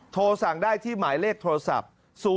โทรสั่งได้ที่หมายเลขโทรศัพท์